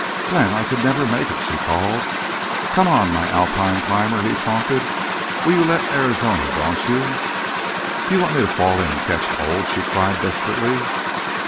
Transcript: "Glenn, I could never make it," she called. "Come on, my Alpine climber," he taunted. "Will you let Arizona daunt you?" "Do you want me to fall in and catch cold?" she cried, desperately.